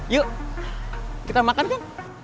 yuk kita makan kan